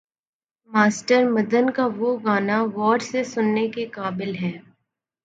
Master Madan کا وہ گانا غور سے سننے کے قابل ہے۔